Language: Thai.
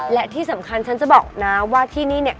และที่สำคัญฉันจะบอกนะว่าที่นี่เนี่ย